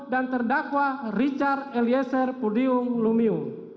dan terdakwa rijal elisir pudihang lumio